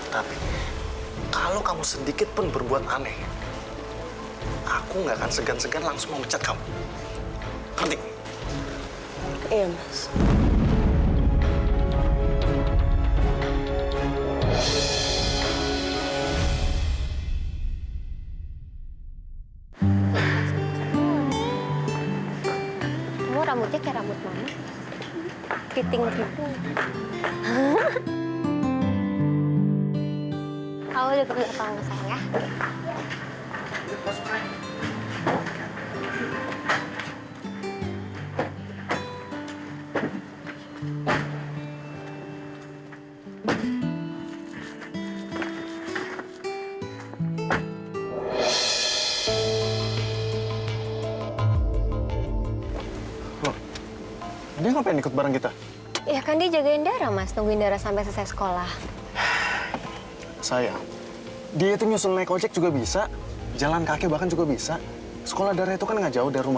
tapi kalau kamu sedikitpun berbuat aneh aku nggak akan segan segan langsung mau mecat kamu